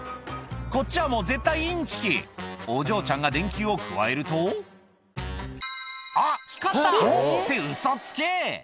こっちはもう絶対インチキお嬢ちゃんが電球をくわえるとあっ光った！ってウソつけ！